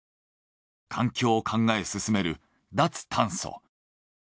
環境を考え進める脱炭素。